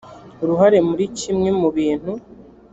uruhare muri kimwe mu bintu